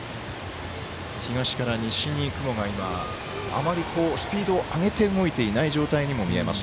東から西に雲があまりスピードを上げて動いていない状態に見えます。